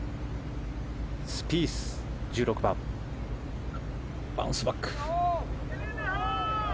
スピース、１６番バウンスバック。